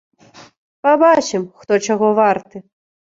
Пабачым, хто чаго варты!